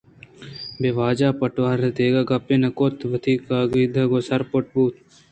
جی واجہ پٹواریدگہ گپےّ نہ کُت ءُوتی کاگداں گوں سر ءُ پُٹّ بوت